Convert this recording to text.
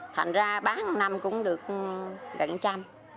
thành ra bán một năm cũng được gần trăm